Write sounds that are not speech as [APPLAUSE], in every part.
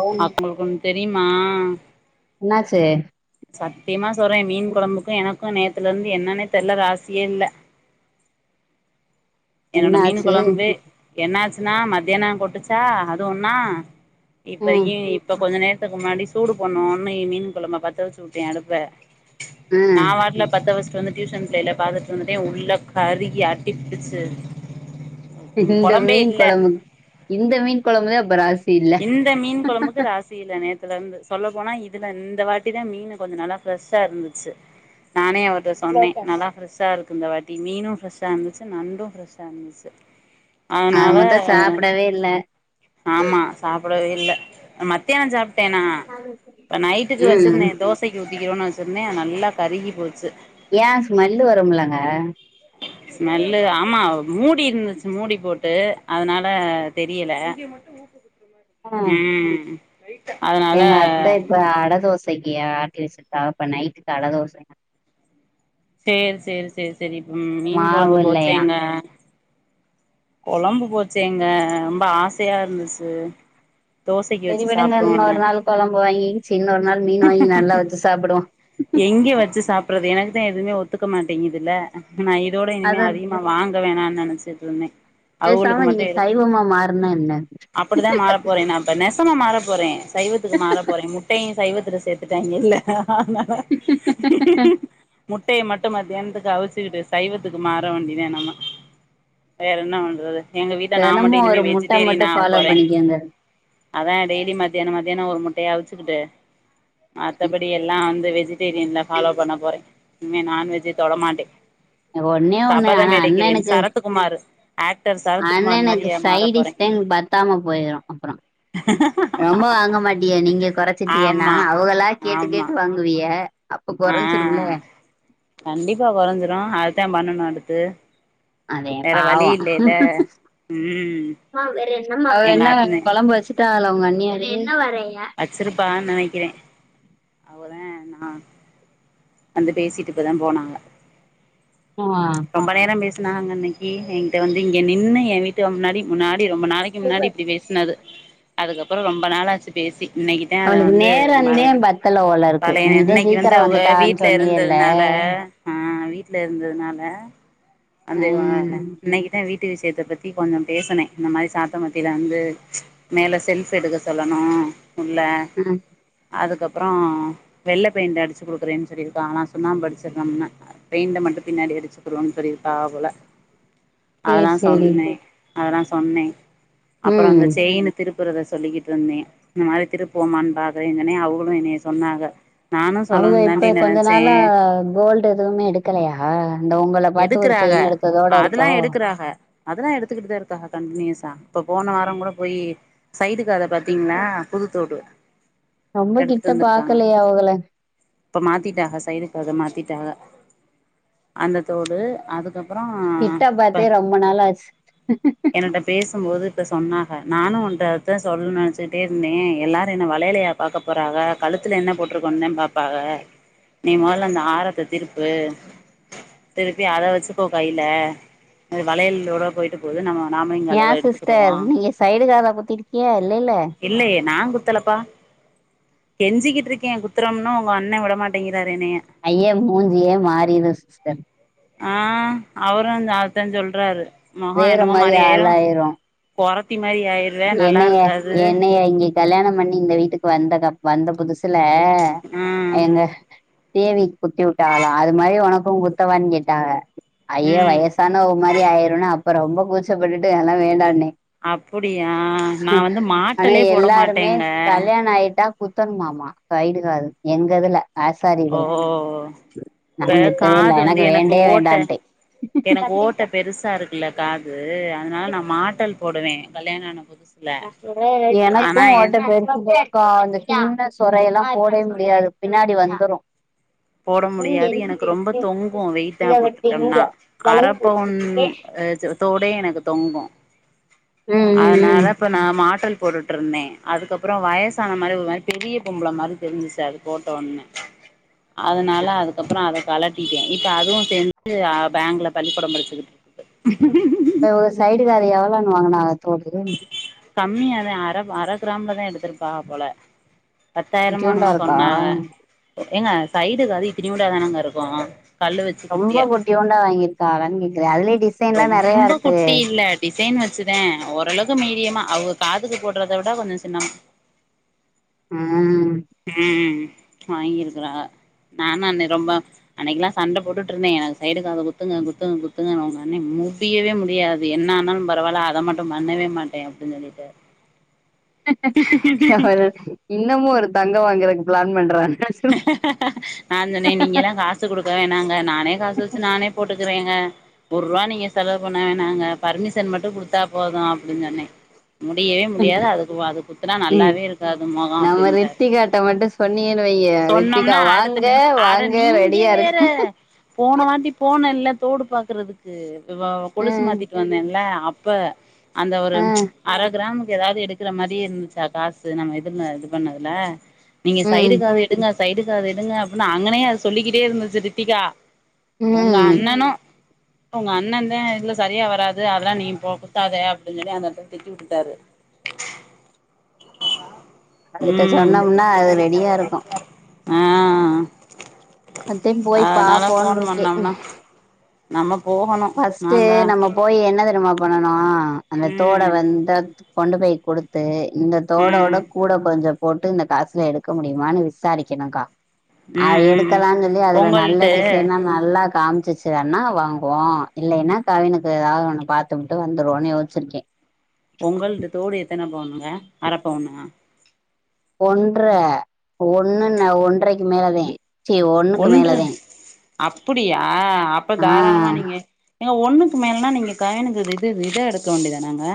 ஓ அப்போ உங்ளுக் ஒண் தெரியுமா இன்னாச்சி சத்தியமா சொல்ற எ மீன் கொழம்புக்கு எனக்கு நேத்துல இருந்து என்னன்னே தெர்ல ராசியே இல்ல என்ன என்னோட மீன் ஆச்சு கொழம்பு என்னாச்சுனா மத்தியான கொட்டுச்சா அது ஒன்னா இப்ப ம் ஏ இப்ப கொஞ்ச நேரத்துக்கு முன்னாடி சூடு பன்னோன்னு மீன் கொழம்ப பத்தவச்சுப்புட்டே அடுப்ப நா ம் வாட்ல பத்த வஸ்டு வந்து டியூஷன் பிள்ளயில பாத்துட்டு வந்துட்டே உள்ள கருகி அடிபுடுச்சு இந்த மீன் இல்ல கொழம்பு இந்த மீன் கொழம்புதா அப்ப ராசி இல்ல இதேதா நேத்துலர்ந்து சொல்ல போனா இதுத இந்த வாட்டி தா மீனு கொஞ்ச நல்லா ஃப்ரெஷ்ஷா இருந்துச்சு நானே அவருட்ட சொன்னே நல்லா ஃப்ரெஷ்ஷா இருக்கு இந்த வாட்டி மீனு ஃபிரெஷ்ஷா இருந்துச்சு நண்டு ஃப்ரெஷ் தந்துசு ஆக அதனால மொத்தோ சாப்டவே இல்ல ஆமா சாப்டவே இல்ல மத்தியான் சாப்டேனா இப்ப நைட்டுக்கு ம் வச்சிருந்தே தோச அத்தைக்கு ஊத்திகிருவோன் வச்சிருந்த நல்லா கருகி போச்சு ஏ ஸ்மல்லு வருமுலங்க ஸ்மெல்லு ஆமா மூடி இருந்துச்சு மூடி போட்டு அதனால தெரியல ம் அதனால எங்க அத்த இப்ப அட தோசைக்கு ஆட்டி வெச்சிருதாப்பா இப்ப நைட்டுக்கு அட தோசை சேரி செரி செரி செரி இப்ப மீன் மாவு கொழம்பு இல்லையா போச்சேங்க கொழம்பு போச்சேங்க ரொம்ப ஆசையா இருந்துச்சு தோசைக்கு செரி வச்சு விடுங்க சாப்டுவோன்னு இன்னோர் நாள் கொழம்பு வாங்கி சீ இன்னோர் நாள் மீனு வாங்கி நல்லா வெச்சு சாப்புடுவோ எங்க வச்சி சாப்றது எனக்தே எதுவுமே ஒத்துக்க மாட்டேங்கிதுல அப்ப நா இதோட இனிமே அத அதிக்ம நா வாங்க வேணாண் நெனச்சிட்ருந்தே அவுகளுக்கு பேசாம மட்டு நீங்க இருக்கு சைவமா மாறுனா என்ன அப்டிதா மாற போறே நா இப்ப நெசமா மாற போறே சைவத்துக்கு மாற போறே முட்டையு சைவத்துல சேத்துட்டாய்ங்கில்ல அத்னால முட்டைய மட்டு மத்தியானத்துக்கு அவிச்சுக்கிட்டு சைவத்துக்கு மாற வேண்டியதே நம்ம வேற என்ன பண்றது எங்க வீட்ல நா தெனமு மட்டு இனிமே ஒரு முட்ட வெஜிடேரியனா மட்டு ஃபாலோ ஆவபோறே பண்ணிக்கங்க அதா டெய்லி மத்தியானோ மதியானோ ஒரு முட்டைய அவிச்சுக்குட்டு மத்தபடி எல்லா அந்த வெஜிடேரியன்ல பாலோ பண்ண போறே இனிமே நான்வெஜ் தொடமாட்டே ஒன்னே ஒண்ணு சபத ஆனா மெடிக்கிறேன் அண்ணனுக்கு சரக்கு குமாரு அண்ணனுக்கு போறே சைடிஸ்தேன் பத்தாம போயுடு அப்ரோ [INAUDIBLE] ரொம்ப வாங்க மாட்டிய நீங்க கொறச்சிட்டியன்னா ஆமா அவுகளா கேட்டு ஆமா கேட்டு வாங் குவிய அப்ப ஆ கொறஞ்சும்ருல கண்டிப்பா கொறஞ்சுரு அதுதா பண்ணணு அடுத்து அதே வேற வழி பாவோ இல்லைல ம் எங்க என்ன அண்ணே கொழம்பு வச்சு ட்டால உங்க அண்ணியாருகு [UNINTELLIGIBLE] வச்சிருப்பாகனு நெனக்கிறே அவ்வதே நா வந்து பேசிட்டு இப்ப தா போனாங்க ஆ ரொம்ப நேரோ பேசுனாகங்க இன்னிக்கு என்ட்ட வந்து இங்க நின்னு எ வீட் டு முன்னாடி முன்னாடி ரொம்ப நாளைக்கு முன்னாடி இப்டி பேஸ்னது அதுக்கப்பறோ ரொம்ப நாளாச்சு பேசி இன்னைக்குதா அத அவளுக்கு வந்து நேரம் மற தான் பத்தல ஓல இருக்கு நீ பழைய தான் இன்னைக்கு வந்து சீக்கிரம் அவுக வீட் வந்துட்டான்னு வீட்ல சொன்னியல்ல இருந்ததுனால ஆ வீட்ல இருந்ததுனால அந்து அ ம், இன்னைக்கிதா வீட்டு விஷியத்த பத்தி கொஞ்சோ பேசினே இந்த மாரி சாத்த மத்தில வந்து மேல செல்ஃப் எடுக்க சொல்லணு உள்ள ம் அதுக்கப்பறோ வெள்ள பெயிண்ட் அடிச்சு குடுக்குறேன்னு சொல்லிருக்காங்ளா சுன்னாபு அடிச்சிருந்தம்ன பெயிண்ட மட்டு பின்னாடி அடிச்சுக்குடுனு சொல்லி டாபுல சரி அததா சரி சொன்னே அதெல்லா சொன்னே அப்பறோ அந்த ம் செயினு திருப்புறத சொல்லிக்கிட்டு இருந்தே இந்த மாரி திருப்போவ்மானு பாக்றே சொன்னே அவுகளு என்னைய சொன்னாக அவுக இப்ப கொஞ்ச நாளா கோல்டு எதுமே எடுக்கலயா இந்த உங்கள பாத் த ஒரு எடுக்குறாக செயின் எடுத்ததோட அதெல்லா இருக்கோ எடுக்குறாக அதெல்லா எடுத்துக்கிட்டுதா இருக்காக கண்டினியூஸா இப்ப போன வாரோ கூட போயி சைடு காத பாத்தீங்ளா புது தோடு ரொம்ப கிட்ட எடுத்துட்டு வந்துருக்காங்க பாக்கலையா அவகள? இப்ப மாத்திட்டாக சைடு காது மாத்திட்டாக அந்த தோடு அது அதுக்கப்பறோ கிட்ட இப்ப பாத்தே ரொம்ப நாள் ஆச்சு. என்னோட பேசும்போது இப்ப சொன்னாக நானு ஒன்ட்ட அதா சொல்லு நெனச்சிட்டே இருந்தே எல்லாரு என்னா வலையலையா பாக்க போறாக கழுத்துல என்ன போட்ருக்கோம்ன்னு தா பாப்பாக நீ முதல அந்த ஆரத்த திருப்பு திருப்பி அத வச் ச்சுக்கோ கைல அது வளையலோட போயிட்டு போது நம்ம நாம ஏ சிஸ்டர் நீங்க சைடு காத குத்திருக்கிய இல்லல்ல இல்லையே நா குத்தலப்பா கெஞ்சிக்கிட் இருக்கே குத்திரம்னோ உங்க அண்ண விட மாட்டேங்கிறாரு என்னைய ஐயே மூஞ்சியே மாறிரு சிஸ்டர் ஆ அவரு அந்த அதத்தா சொல்றாரு மொகோ வேற என்னமோ மாரி மாரிஆயிரு ஆளாயிரும். கொறத்தி மாரி ஆய்ருவ என்னைய நல்லாருக்காது என்னைய இங்க கல்யாணம் பண்ணி இந்த வீட்டுக்கு வந்த க வந்த புதுசுல ஆ அவ்ங்க தேவிக்கு குத்தி வுட்டாவலா அது மாரி ஒனக்கு குத்தவானு கேட்டாக ஐயோ ம் வயசா னவ மாரி ஆயிருனு அப்ப ரொம்ப கூச்சப்பட்டுட்டு எல்லா வேண்டானே அப்படியா ஆனா எல்லாருமே கல்யாண ஆயிட்டா குத்தனுமாமா சைடு காது எங்க இதுல ஆசாரி ஓ இதுல நா இப்ப குத்தவே இல்ல காது வந்து எனக்கு வேண்டே ஓட்ட வேண்டான்டே எனக்கு ஓட்ட பெருசா இருக்குல்ல காது அதனால நா மாட்டல் போடுவே கல்யாண ஆன புதுசு எனக்கும் ஓட்ட பெருசுதா காது சின்ன சுரையெல்லாம் போடவே முடியாது பின்னாடி வந்துரும் போட இங்க முடியாது எனக்கு ரொம்ப இருக்குது தொங்கும் வெயிட்டா இத விட்டு இங்க போட்டுட்டோம்னா அர வலது பவுன் ஏ தோலே எனக்கு தொங்கு ம் அதனால ம் இப்ப நா மாட்டல் போட்டுட்ருந்தேன் அதுக்கப்பறம் வயசான மாரி ஒரு மாரி பெரிய பொம்பள மாரி தெரிஞ்சிச்சது போட்ட ஒன்னே அதனால அதுக்கப்பறம் அத கலட்டிட்டேன் இப்ப அதுவும் சேந்து பேங்க்ல பள்ளிக்கூடம் படிச்சுக்கிட் தொ ஒரு சைடுகு அத எவ்ளோன்னு வாங்கனாங்க தோடு கம்மியாதா அர அர கிராம்லதான் எடுத்திருக்கா போல பத்தாயிரமா குட்டியூண்டா என்னமோ இருக்கா சொன்னாங்க ஏங்க சைடுக் காது இத்துனுடா தானேங்க இருக்கோ கல்லு வெச்சு ரொம்ப குட்டியா குட்டியூண்டா வாங்கியிருக்காளான்னு கேக்குறே அதுலயே டிசைன்லாம் நெறையா ரொம்ப இருக்கு குட்டி இல்ல டிசைன் வச்சுதா ஓரளவுக்கு மீடியமா அவங்க காதுக்கு போடறதை விட கொஞ்சம் சின்னம் ம் ம் ம் வாங்கிருக்குளா நானும் அந்த ரொம்ப அன்னைக்கில்லா சண்ட போட்டுட்டு இருந்தேன் எனக்கு சைடுக் காது குத்துங்க குத்துங்க குத்துங்கனு சொன்ன முடியவே முடியாது அது என்ன ஆனாலும் பரவாயில்ல அத மட்டும் பண்ணவே மாட்டே அப்டின் சொல்லிடாரு அவரு இன்னமு ஒரு தங்கம் வாங்கறதுக்கு பிளான் பண்றாங் நா சொன்னே நீங்க எல்லா கா சு குடுக்க வேணாங்க நானே காசு வெச்சு நானே போட்டுக்கறேங்க ஒர்ருவா நீங்க செலவு பண்ண வேணுங்க பர்மிஷன் மட்டும் குடுத்தா போதும் அப்டின் சொன்னே முடியவே முடியாது அதுக்கு அது குத்துனா நல்லாவே இருக்காது முகம் அப்டின்டாரு [UNINTELLIGIBLE] காட்ட மட்டும் சொன்னியே வைய்ங்க சொன்னம்னா அடுத்த நிமிஸ் அட நீங்கே ரெடியா வேற இருக்க போன வாட்டி போனயில்லா தோடு பாக்கறதுக்கு வாவ் கொலுசு ம் மாத்திட் வந்தன்லே அப்ப அந்த ஒரு ம் அர கிராம்க்கு எதாவது எடுக் கற மாறியே இருந்துச்சா காசு நம்ம இதுல இது பண்ணதுல நீங்க ம் சைடுக்காக எடுக் க எடுங்க சைடு காது எடுங்க அப்படின் அங்கனே அது சொல்லிக்கிட்டே இருந்துச்சு ரித்திகா உங்க ம் அண்ணனு உங்க அண்ணன்ந்தா இதுலா செரியா வராது அதெல்லா நீ போ குத்தாத அப்டின் சொல்லி அந்த எடத்த விட்டு தெத்தி வுட்டுட்டாரு அதுட்ட உம் சொன்னோம்னா அது ரெடியா இருக்கு ஆஹ அத்தையு போய் அதனால போன் பாப்போன்ருக்கே பண்ணம்னா நம்ம போகணும் நா ஃபர்ஸ்ட்டு தான் நம்ம போய் என்ன தெரியுமா பண்ணனும் அந்த தோட ம் வந்து கொண்டு போய் குடுத் து இந்த தோடோட ம் கூட கொஞ்சம் போட்டு இந்த காசுல எடுக்க முடியுமான்னு விசாரிக்கணுக்கா அவ ம் ம் எடுக்கலானு சொல்லி அதுல நல்ல பொங்கல்ட்டு டிசைனா நல்லா காமிச்சுச்சுக்கன்னா வாங் இப்போ இல்லைன்னா கவினுக்கு ஏதாவது ஒன்னு பாத்து வுட்டு வந்துருன்னு யோச்சிருக்கே உங்கள்து தோடு எத்தன பவுனுங்க அரப்பவுனா ஒன்ற ஒன்னுன்ன ஒன்றரைக்கு மேலதே ஒன்று அப்படியா அப்ப தாராளமா ஆஹ் நீங்க ஏங்க ஒண்ணுக்கு மேலன்னா நீங்க கவினுக்கு இது இத எடுக்க வேண்டியதானங்கா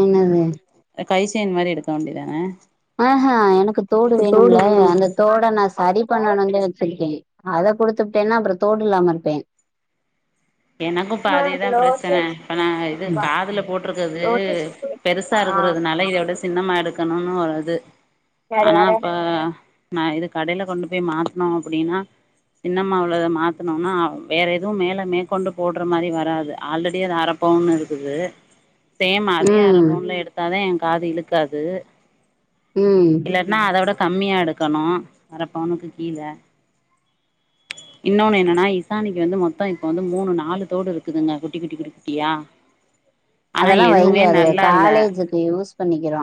என்னது கைசெயின் மாரி எடுக்க வேண்டியது தானே ஆஹ எனக்கு தோடு வேணும்ல அந்த தோட நா சரி பண்ணணுனு சொல்லி வச்சிருக்கே அத குடுத்துட்டேன்னா அப்புற தோடு இல்லாம இருப்பே எனக்குப்ப அதேதா பிரச்சனை இப்ப நா இது காதுல போட்ருக்கறது பெருசா இருக்கறதுனால இதோட சி தின்னமா எடுக்கணும்னு ஒரு இது ஆனா அப்ப நா இது கடையில கொண்டு போய் மாத்னோ அப்டின்னா தின்னமா உள்ளத மாத்தணும்னா வேற எதுவு மேலே மே கொண்டு போடுற மாரி வராது ஆல்ரெடி அது அரப்பவுன் இருக்குது சேம் அதே உம் அரைபவுன்ல எடுத்தாதா எ காது இழுக்காது ம் இல்லாட்டின்னா அத விட கம்மியா எடுக்கணு அறபவுனுக்கு கீல இன்னொன்னு என்னன்னா இசானிக்கு வந்து மொத்தோ இப்ப வந்து மூணு நாலு தோடு இருக்குதுங்க குட்டி குட்டி குட்டி குட்டியா ஆனா அதெல்லா எதுவுமே வைங்க நல்லா இல்ல காலேஜ்கு யூஸ் பண்ணிக்கிலா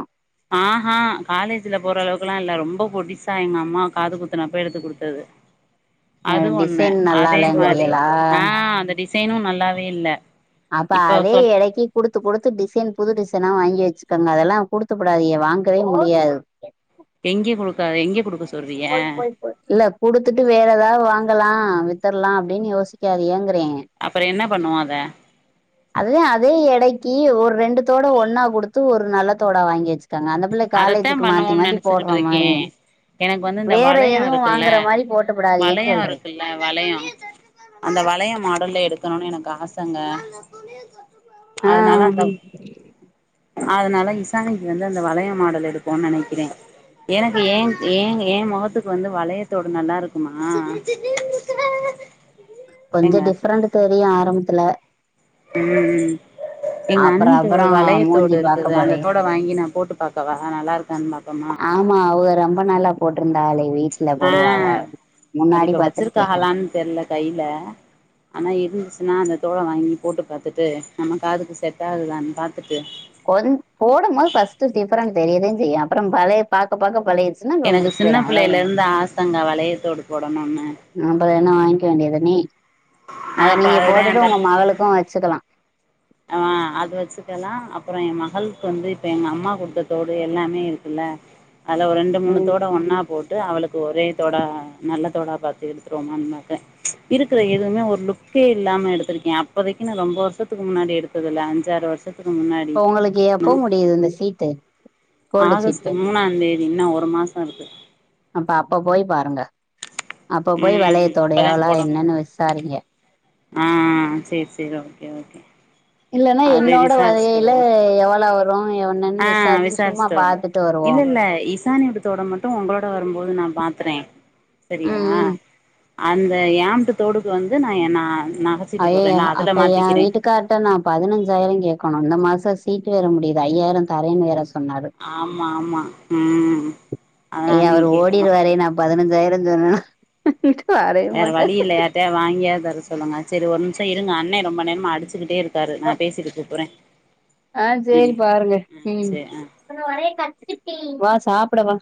ஆஹா காலேஜ்ல போற அளவுக்குல்லா இல்ல ரொம்ப பொடிசா எங்க அம்மா காது குத்துனப்ப எடுத்து குடுத்தது அது ஒண்ணு அதே மாரி ஆ ஆ அந்த டிசைனு நல்லாவே இல்ல அப்ப இப்போ அதே சொல் எடைக்கி குடுத்து குடுத்து டிசைன் புது டிசைனா வாங்கி வெச்சிக்கோங்க அதெல்லா குடுத்துப்புடாதீங்க வாங்கவே முடியாது எங்கே கொடுக்காத இங்க குடுக்கசொல்லு போய் போய் போ இல்ல குடுத்துட்டு வேற ஏதாவது வாங்கலா வித்தர்லா அப்டின்னு யோசிக்காதியேங்கிற அப்பற என்ன பண்ணுவோ அத அதுதா அதே எடைக்கி ஒரு ரெண்டு தோட ஒன்னா குடுத்து ஒரு நல்ல தோடா வாங்கி வெச்சி தண்ணால அந்த புள்ள அதத்தா காலேஜ்கு மாத்தி பண்ணுவோம்னு மாத்தி நெனச்சுக்கிட்டு போடுற இருக்கே மாரி எனக்கு வந்து இந்த வேற வளையோ எதுவு வாங்குற மாரி போட்டுப்புடாதீங்க சொல்றே அ வளையோ அந்த வளையோ மாடல்ல எடுக்கநோணு எனக்கு ஆசங்க ஆ அதனால ப அதனால இசானிக்கு வந்து ப இந்த வளைய மாடல் எடுப்போனு நனைக்கிற எனக்கு ஏ ஏன் ஏ மொகத்துக்கு வந்து வளையத்தோடு நல்லா இருக்குமா [INAUDIBLE] ஏங்க கொஞ்ச டிஃப்ரெண்ட் தெரியு ஆரம்பத்துல ம் ம் எங்க அப்புற அண்ணிட்ட அப்புற ஒரு மூஞ்சி வளையத்தோடு பாக்க இருக்குது பழகி அந்த தோட வாங்கி நா போட்டு பாக் கவா நல்லா இருக்கான்னு பாப்பமா ஆமா அவக ரொம்ப நாளா போட்டிருந்தாளே வீட்ல ஆ போடுவாக பட் முன்னாடி இப்ப பத்துருக்கே வச்சிருக்காகலான்னு தெர்ல கைல அனா இருந்துச்சுனா அந்த தோட வாங்கி போட்டு பாத்துட்டு நம்ம காதுக்கு செட்டாகுதுதான்னு பாத்துட்டு கொன் போடம் போது ஃபஸ்ட்டு டிஃப்ரெண்ட் தெரியதா செய்யு அப்பறோ பழைய பாக்க பாக்க பழகி எனக்கு சின்ன பிள்ளைலருந்து ஆசங்க வளையதோடு போடனுன்னு அப்பறோ என்ன வாங்க்கிய வேண்டியதானே நா அத அப்ப நீங்க அதுதா போட்டுட்டு அந்த உங்க மகளுக்கு வச்சுக்கலா ஆ அது வச்சுக்கலா அப்புற எ மகளுக்கு வந்து இப்ப எங்க அம்மா கொடுத்த தோடு எல்லாமே இருக்குல்ல அதுல ஒரு ரெண்டு ம் மூணுத்தோட ஒன்னா போ ட்டு அவளுக்கு ஒரே தோடா நல்ல தோடா பாத்து எடுத்துருவோமான் பாத்த இருக்கற [UNINTELLIGIBLE] ஒரு லுக்கே இல்லாம எடுத்திருக்கே அப்போதைக்கு நா ரொம்ப வருஷத்துக்கு முன்னாடி எடுத்ததுல அஞ்சாறு வருஷ [INAUDIBLE] முன்னாடி இப்ப உங்களுக்கு ஏன்னா எப்ப முடியிது இந்த சீட்டு கோல்டு ஆகஸ்ட் சீட்டு மூணாந் தேதி இன்னு ஒரு மாசோ இருக்கு அப்ப அப்ப போய் பாருங்க அப்ப போய் ம் வளையத்தோடு அப்பதா எவ்வள போடணு என்னனு விசாரிங்க ஆ சேர் சேர் ஓகே ஓகே இல்லன்னா அது போய் என்னோட விசாரிச்சுட்டு வளையலே வருவோ எவ்வளோ வரு எ ஆ என்னன்னு விசாரிச்சு சும்மா விசாரிச்சுட்டு வரோ பாத்துட்டு வருவோ இல்ல இல்ல இசானிவூட்டு தோட மட்டு உங்களோட வரும்போது நா மாத்துறே செரியா ம் ம் அந்த ஏம்ட்டு தோடுக்கு வந்து நா எ நா நக ஐயயோ அப்ப ஏ வீட்டுக் கார்ட நா பதினஞ்சாயிரோ கேக்கணு இந்த மாச சீட் வேற முடிது ஐயாயிரோ தரென்னு வேற சொன்னாரு ஆமா ஆமா ம் அதனால நீ [INAUDIBLE] பதினஞ்சாயிரோ சொன்னனா [INAUDIBLE] வேற வழி இல்ல யார்ட்டயாது வாங்கியாது தர சொல்லுங்க செரி ஒரு நிம்ஷோ இருங்க அண்ணே ரொம்ப நேரமா அடிச்சுக்கிட்டே இருக் காரு நா பேசீட்டு கூப்பர்றே ஆ சேரி பாருங்க ம் வா சாப்பட வா